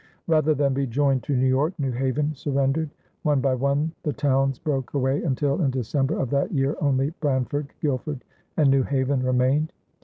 Rather than be joined to New York, New Haven surrendered. One by one the towns broke away until in December of that year only Branford, Guilford, and New Haven remained.